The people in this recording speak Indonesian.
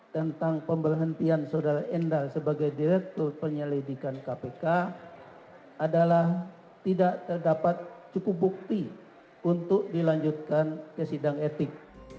tentang pemberhentian saudara endar sebagai direktur penyelidikan kpk adalah tidak terdapat cukup bukti untuk dilanjutkan ke sidang etik